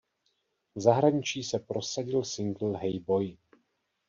V zahraničí se prosadil singl „Hey Boy“.